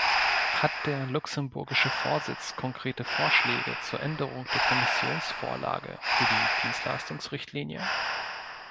Hat der luxemburgische Vorsitz konkrete Vorschläge zur Änderung der Kommissionsvorlage für die Dienstleistungsrichtlinie?